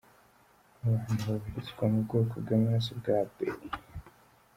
Abantu babarizwa mu bwoko bw’amaraso bwa B .